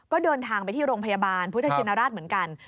ก็เดินทางไปที่โรงพยาบาลพุทธชินราชเหมือนกัน